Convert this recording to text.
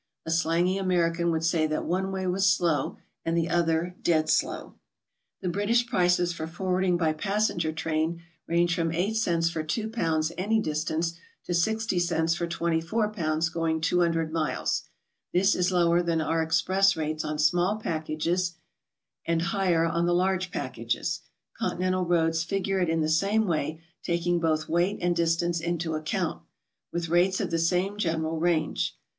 A slangy American would say that one way was slow, and the other dead slow, I 212 GOING ABROAD? The Eritrsh prices for forwarding by passenger train ^ range from 8 cents for 2 lbs. any distance, to 60 cents for 24 lbs. going 200 miles. This is lower than our express rates on small packages, and higher on the large packages. Con tinental roads figure it in the same way, taking both weight and distance into account, with rates of the same general range.